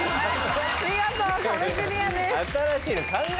見事壁クリアです。